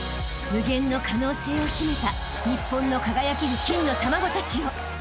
［無限の可能性を秘めた日本の輝ける金の卵たちよ］